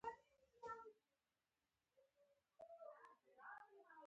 زیاتي پیسې په رشوتونو ولګولې.